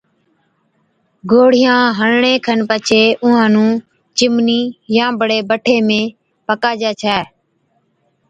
گھوڙِيان هڻڻي کن پڇي اُونهان نُون چِمنِي يان بڙي بٺي ۾ پڪاجَي ڇَي